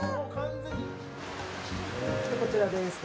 こちらです。